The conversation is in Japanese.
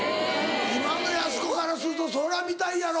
今のやす子からするとそれは見たいやろ。